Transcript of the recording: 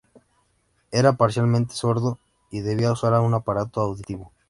Era parcialmente sordo, y debía usar un aparato auditivo.